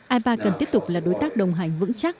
ipa cần tiếp tục là đối tác đồng hành vững chắc